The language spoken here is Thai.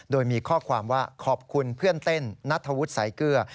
โดยมีข้อความว่าขอบคุณเพื่อนเต้นนัทธวุฒิสายเกลือ